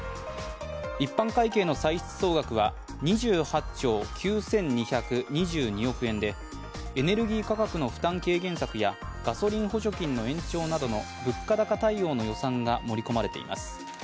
一般会計の歳出総額は２８兆９２２２億円でエネルギー価格の負担軽減策やガソリン補助金の延長などの物価高対応の予算が盛り込まれています。